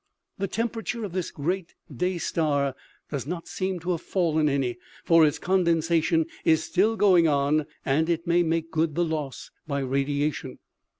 The temperature of this great day star does not seem to have fallen any ; for its condensation is still going on, and it may make good the loss by radiation.